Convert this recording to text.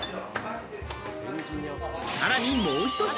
さらにもうひと品。